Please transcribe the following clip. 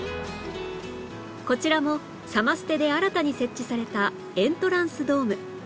こちらもサマステで新たに設置されたエントランスドーム